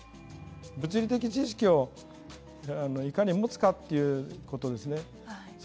物理的知識をいかに持つかということですね。